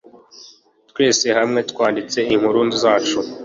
twese hamwe twanditse inkuru zacu